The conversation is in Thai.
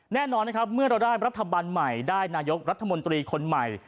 แน่นอนนะครับเมื่อเราได้รัฐบาลใหม่ได้นายกรัฐมนตรีคนใหม่